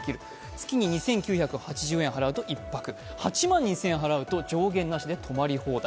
月に２９８０円払うと１泊、８万ｎ２０００円払うと上限なしで泊まり放題。